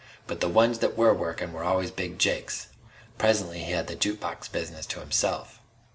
But the ones that were workin' were always Big Jake's. Presently he had the juke box business to himself."